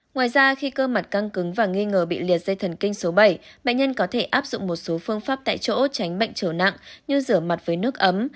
ngoài ra khi cơ mặt căng cứng và nghi ngờ bị liệt dây thần kinh số bảy bệnh nhân có thể áp dụng một số phương pháp tại chỗ tránh bệnh trở nặng như rửa mặt với nước ấm